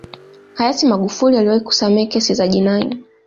hayati magufuli aliwahi kusamehe kesi za jinai